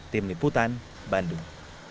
tim liputan bandung